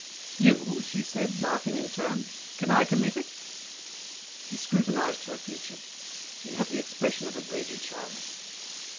"You?" she said, laughing in turn. "Can I commit it?" He scrutinized her features. She had the expression of a greedy child.